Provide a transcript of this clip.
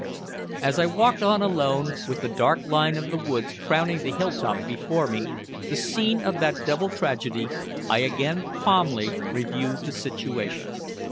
As I walked on alone, with the dark line of woods crowning the hill top before me, the scene of that double tragedy, I again calmly reviewed the situation.